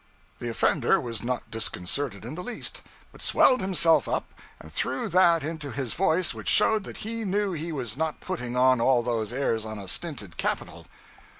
The offender was not disconcerted in the least, but swelled himself up and threw that into his voice which showed that he knew he was not putting on all those airs on a stinted capital.